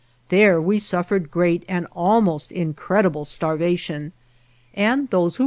There we suffered great and almost incredible starvation; and "Petlatlan.